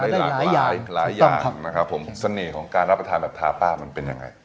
ทานได้เยอะทานได้หลายอย่างสันนี่ของการรับประทานแบบทาพามันเป็นอย่างไร